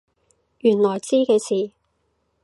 原來知嘅事？